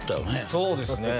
そうですね